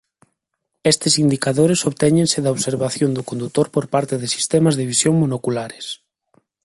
Estes indicadores obtéñense da observación do condutor por parte de sistemas de visión monoculares.